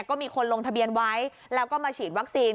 ก็มีคนลงทะเบียนไว้แล้วก็มาฉีดวัคซีน